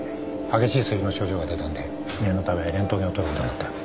激しいせきの症状が出たんで念のためレントゲンを撮ることになった。